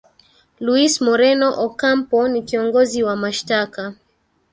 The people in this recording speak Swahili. luis moreno ocampo ni kiongozi wa mashtaka